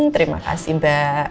terima kasih mbak